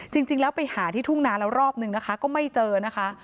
จริงแล้วไปหาที่ทุ่งนาแล้วรอบนึงนะคะก็ไม่เจอนะคะ